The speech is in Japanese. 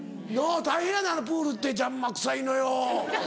大変やねんあのプールって邪魔くさいのよ。